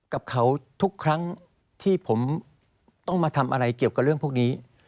กับเขาทุกครั้งที่ผมต้องมาทำอะไรเกี่ยวกับเรื่องพวกนี้